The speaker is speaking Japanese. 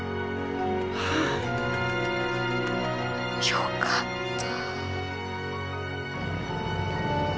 よかった。